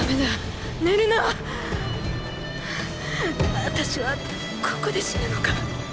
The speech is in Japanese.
あたしはここで死ぬのか？